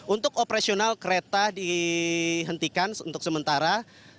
untuk operasional kereta dihentikan untuk sementara